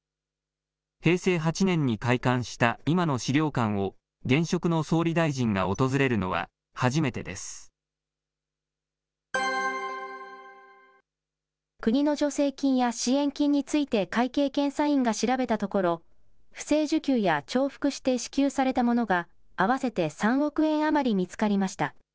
平成８年に開館した今の資料館を現職の総理大臣が訪れるのは初め国の助成金や、支援金について会計検査院が調べたところ、不正受給や重複して支給されたものが、合わせて３億円余り見つかりました。